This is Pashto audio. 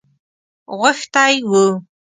غوښتی وو.